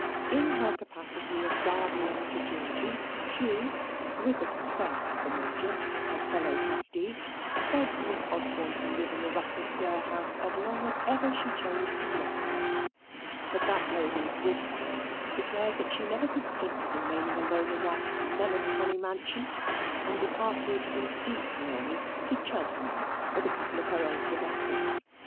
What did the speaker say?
In her capacity of guardian to Georgy, she, with the consent of the Major, her fellow trustee, begged Miss Osborne to live in the Russell Square house as long as ever she chose to dwell there; but that lady, with thanks, declared that she never could think of remaining alone in that melancholy mansion, and departed in deep mourning to Cheltenham, with a couple of her old domestics.